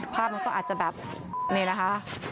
ภาพมันก็อาจจะแบบนี่นะคะ